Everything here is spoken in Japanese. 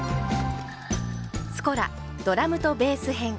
「スコラドラムとベース編」。